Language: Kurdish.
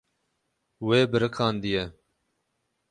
Wê biriqandiye.